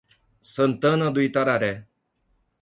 Santana do Itararé